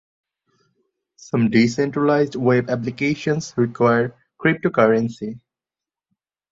Some decentralized web applications require cryptocurrency.